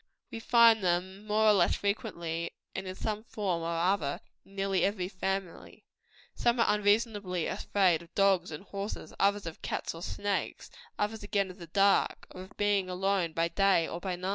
We find them more or less frequently, and in some form or other, in nearly every family. Some are unreasonably afraid of dogs and horses; others, of cats or snakes; others, again, of the dark, or of being alone by night or by day.